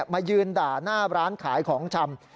มายืนด่าหน้าร้านขายของชำ